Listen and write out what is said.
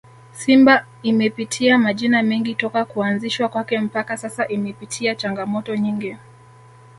Simba imepitia majina mengi toka kuanzishwa kwake mpaka sasa imepitia changamoto nyingi